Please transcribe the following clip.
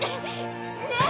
ねえ！